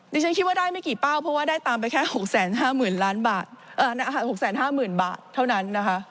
ดิฉันคิดว่าได้ไม่กี่เป้าเพราะว่าได้ตามไปแค่๖๕๐๐๐๐บาทเท่านั้นนะคะ